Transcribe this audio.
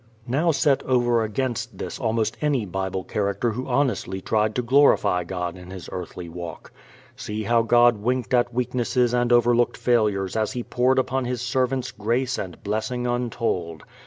Now set over against this almost any Bible character who honestly tried to glorify God in his earthly walk. See how God winked at weaknesses and overlooked failures as He poured upon His servants grace and blessing untold.